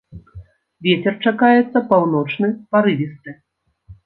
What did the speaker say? Вецер чакаецца паўночны, парывісты.